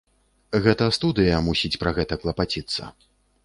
Гэта студыя мусіць пра гэта клапаціцца.